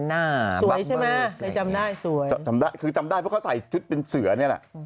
ใสดอีกจุดเป็นเสือนี่ฮะ